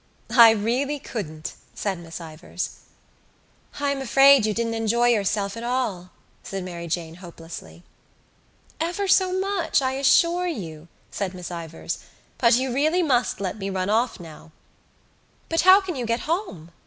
"I really couldn't," said Miss Ivors. "I am afraid you didn't enjoy yourself at all," said Mary Jane hopelessly. "Ever so much, I assure you," said Miss Ivors, "but you really must let me run off now." "But how can you get home?"